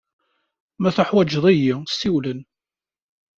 Ma teḥwaǧeḍ-iyi, siwel-n.